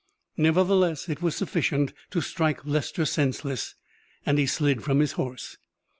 Nevertheless it was sufficient to strike Lester senseless, and he slid from his horse.